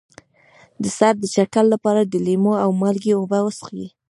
د سر د چکر لپاره د لیمو او مالګې اوبه وڅښئ